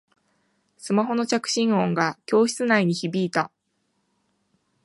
スマホの着信音が教室内に響いた